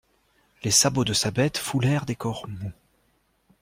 Les sabots de sa bête foulèrent des corps mous.